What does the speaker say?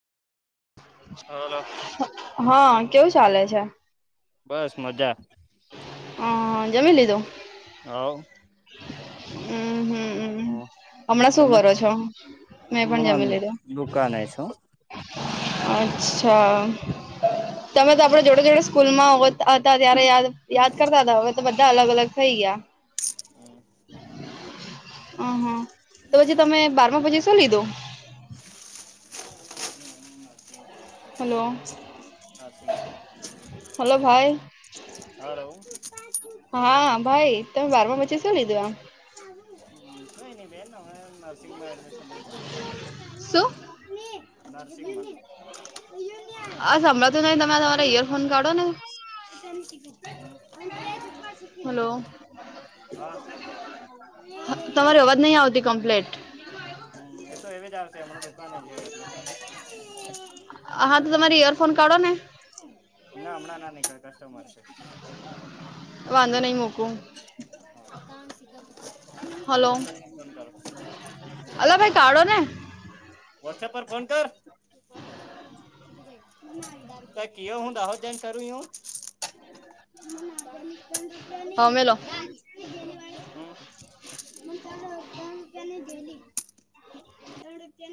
Hello હ કેવું ચાલે છે. બસ મજા અહ, જમી લીધું? હોવ. અહ હમ્મ, હમણાં શું તમે કરો છો? મેં પણ હમણાં જમી લીધું. દુકાને છો અચ્છા. તમે તો આપડે જોડે જોડે સ્કૂલ માં હતા ત્યારે યાદ યાદ કરતા હતા, હવે તો બધા અલગ અલગ થઈ ગયા. હમ્મ. અહ હ તો પછી તમે બારમા પછી શું લીધું? [inaudible] હલો હલો ભાઈ [unintelligible] હાલો. હા, ભાઈ. તમે બારમા પછી શું લીધું, આમ? હમ્મ, કઈ નહી બેન હવે નર્સિંગમાં એડમિશન લીધું. શું નર્સિંગમા આ સંભળાતું નહી, તમે તમારા ઇયરફોન કાડો ને. જબ સુખીને હલો હતાલ તમારી અવાજ નહી આવતી [unintelligible] કમ્પ્લેટ હમ્મ, એ તો એવીજ આવશે હમણા દુકાન એ જયે એટલે હા, તો તમારી ઇયરફોન કાઢો ને ના હમણાં ના નીકળે, કસ્ટમર છે. વાંધો નહીં મૂકું હલો [unintelligible] અલા ભાઈ કાઢો ને વોટ્સએપ પર ફોન કર [unintelligible] દાહોદ જઈને કરું હું [unintelligible] મને જેલી, હા મેલો [unintelligible] મને ત્રણ રૂપિયાની જેલી ત્રણ રૂપિયાની